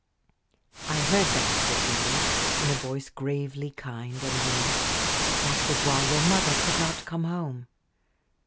"I heard that," said Julie, in a voice gravely kind and winning. "That was why your mother could not come home."